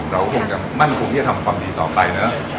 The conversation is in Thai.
เราคงจะมั่นคงที่จะทำความดีต่อไปนะ